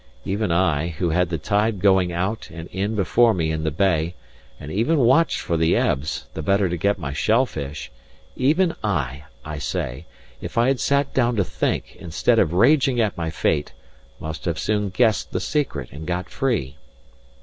Even I, who had the tide going out and in before me in the bay, and even watched for the ebbs, the better to get my shellfish even I (I say) if I had sat down to think, instead of raging at my fate, must have soon guessed the secret, and got free.